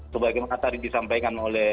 sebagaimana tadi disampaikan oleh